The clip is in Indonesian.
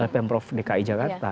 pemprov dki jakarta